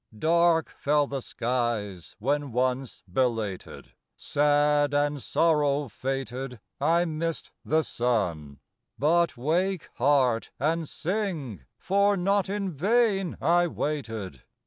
Dark fell the skies when once belated, Sad, and sorrow fated I missed the suci; But wake heart, and sing, for not in vain I waited.